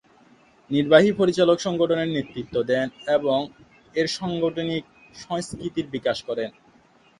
নির্বাহী পরিচালক সংগঠনের নেতৃত্ব দেন এবং এর সাংগঠনিক সংস্কৃতির বিকাশ করেন।